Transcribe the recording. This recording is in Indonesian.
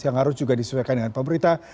yang harus juga disesuaikan dengan pemerintah